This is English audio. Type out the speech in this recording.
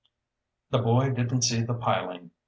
The boy didn't see the piling.